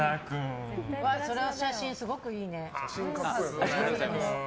その写真すごくいいね。